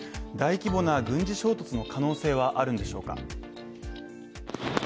大規模な軍事衝突の可能性はあるんでしょうか？